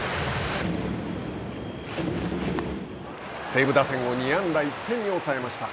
西武打線を２安打１点に抑えました。